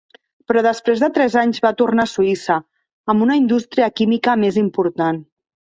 Però després de tres anys va tornar a Suïssa, amb una indústria química més important.